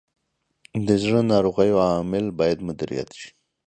د زړه ناروغیو عوامل باید مدیریت شي.